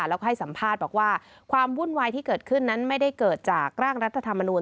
แล้วก็ให้สัมภาษณ์บอกว่าความวุ่นวายที่เกิดขึ้นนั้นไม่ได้เกิดจากร่างรัฐธรรมนูล